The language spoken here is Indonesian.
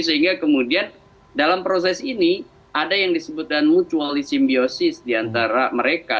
sehingga kemudian dalam proses ini ada yang disebutkan mutually symbiosis diantara mereka